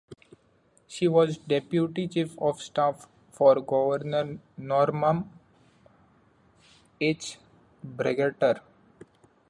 She was deputy chief of staff for Governor Norman H. Bangerter.